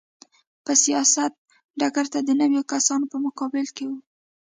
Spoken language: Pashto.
په سیاست ډګر ته د نویو کسانو په مقابل کې و.